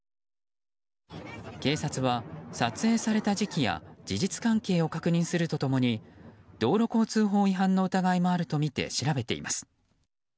警察は、撮影された時期や事実関係を確認すると共に道路交通法違反の疑いもあるとみて調べています。